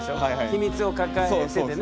秘密を抱えててね。